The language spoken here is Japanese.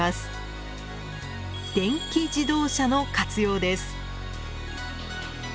電気自動車の活用です。